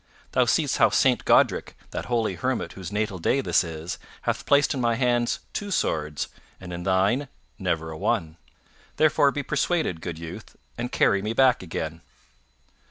Thou seest how Saint Godrick, that holy hermit whose natal day this is, hath placed in my hands two swords and in thine never a one. Therefore be persuaded, good youth, and carry me back again."